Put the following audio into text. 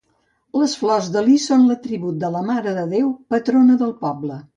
Les flors de lis són l'atribut de la Mare de Déu, patrona del poble.